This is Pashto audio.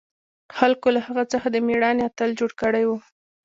خلقو له هغه څخه د مېړانې اتل جوړ کړى و.